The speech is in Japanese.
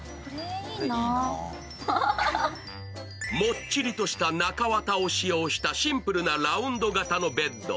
もっちりとした中綿を使用したシンプルなラウンド型のベッド。